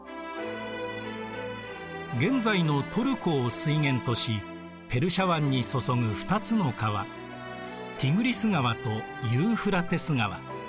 現在のトルコを水源としペルシャ湾に注ぐ２つの川ティグリス川とユーフラテス川。